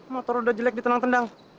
motor udah jelek ditendang tendang